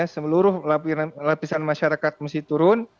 seluruh lapisan masyarakat mesti turun